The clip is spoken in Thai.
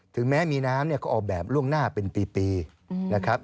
ถึงแม้มีน้ำเนี่ยก็ออกแบบล่วงหน้าเป็นปีนะครับ